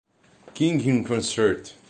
King in concert.